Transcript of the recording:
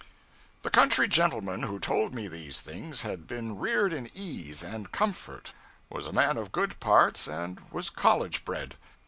The country gentleman who told me these things had been reared in ease and comfort, was a man of good parts, and was college bred.